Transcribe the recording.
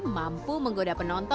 mampu menggoda penonton